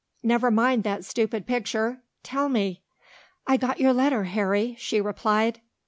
Never mind that stupid picture: tell me." "I got your letter, Harry," she replied.